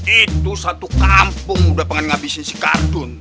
itu satu kampung udah pengen ngabisin si kartun